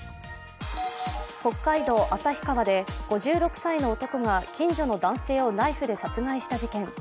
北海道・旭川で５６歳の男が近所の男性をナイフで殺害した事件。